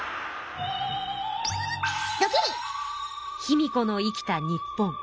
卑弥呼の生きた日本。